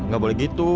ga boleh gitu